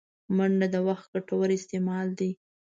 منډه د وخت ګټور استعمال دی